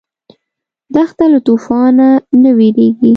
دښته له توفانه نه وېرېږي.